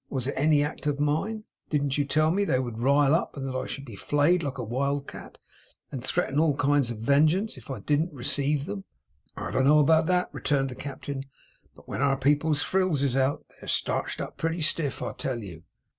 Was it any act of mine? Didn't you tell me they would rile up, and that I should be flayed like a wild cat and threaten all kinds of vengeance, if I didn't receive them?' 'I don't know about that,' returned the Captain. 'But when our people's frills is out, they're starched up pretty stiff, I tell you!